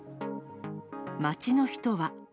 街の人は。